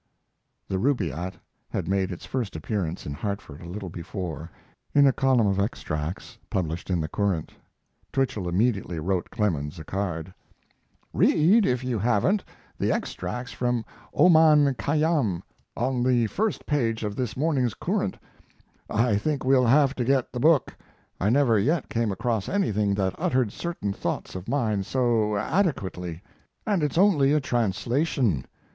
[The 'Rubaiyat' had made its first appearance, in Hartford, a little before in a column of extracts published in the Courant.] Twichell immediately wrote Clemens a card: "Read (if you haven't) the extracts from Oman Khayyam, on the first page of this morning's Courant. I think we'll have to get the book. I never yet came across anything that uttered certain thoughts of mine so. adequately. And it's only a translation.